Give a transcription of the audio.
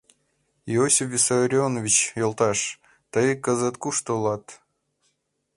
— Иосиф Виссарионович йолташ, тый кызыт кушто улат?